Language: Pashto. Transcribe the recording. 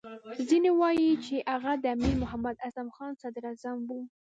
ځینې وایي چې هغه د امیر محمد اعظم خان صدراعظم وو.